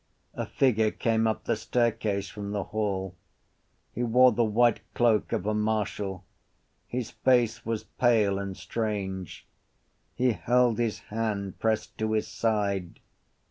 A figure came up the staircase from the hall. He wore the white cloak of a marshal; his face was pale and strange; he held his hand pressed to his side.